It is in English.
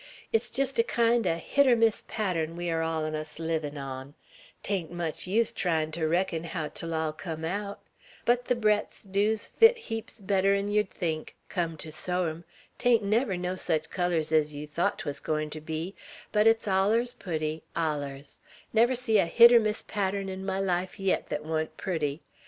It's jest a kind er 'hit er miss' pattren we air all on us livin' on; 'tain't much use tryin' ter reckon how 't 'll come aout; but the breadths doos fit heaps better 'n yer'd think; come ter sew 'em, 'tain't never no sech colors ez yer thought 't wuz gwine ter be; but it's allers pooty, allers; never see a 'hit er miss' pattren 'n my life yit, thet wa'n't pooty.